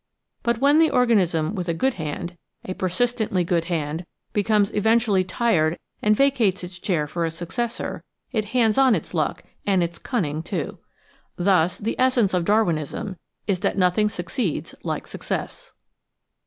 But when the organism with a good hand — a persistently good hand — becomes eventually tired and vacates its chair for a suc cessor, it hands on its luck, and its cunning, too. Thus the essence of Darwinism is that nothing succeeds like success.